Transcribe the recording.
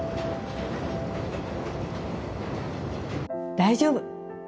大丈夫！